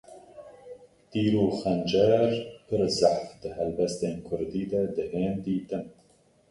Tîr û xencer pir zehf di helbestên kurdî de dihên dîtin